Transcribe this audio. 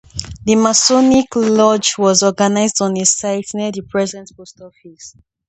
The Masonic lodge was organized on a site near the present post office.